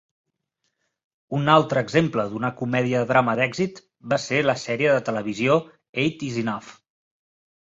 Un altre exemple d'una comèdia-drama d'èxit va ser la sèrie de televisió "Eight Is Enough".